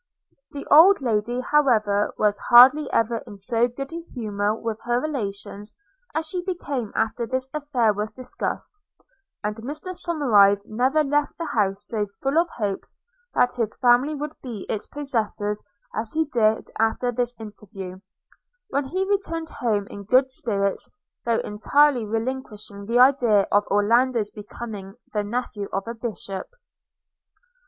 The old Lady, however, was hardly ever in so good a humour with her relations as she became after this affair was discussed; and Mr Somerive never left the house so full of hopes that his family would be its possessors as he did after this interview, when he returned home in good spirits, though entirely relinquishing the idea of Orlando's becoming the nephew of a bishop.